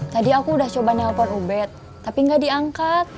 tadi aku udah coba nelpon ubed tapi nggak diangkat